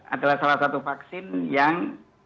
adalah salah satu vaksin yang